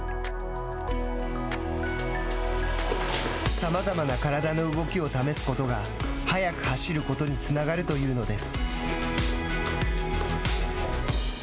さまざまな体の動きを試すことが速く走ることにつながるというのです。